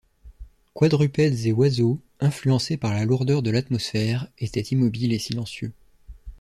Quadrupèdes et oiseaux, influencés par la lourdeur de l’atmosphère, étaient immobiles et silencieux